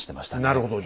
なるほど。